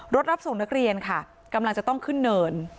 รับส่งนักเรียนค่ะกำลังจะต้องขึ้นเนิน